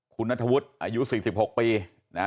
คุณนัทธวุฒิอายุ๔๖ปีนะฮะ